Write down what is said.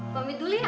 pamit dulu ya